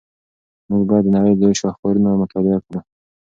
موږ باید د نړۍ لوی شاهکارونه مطالعه کړو.